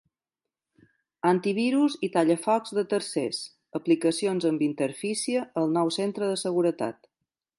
Antivirus i tallafocs de tercers, aplicacions amb interfície al nou Centre de seguretat.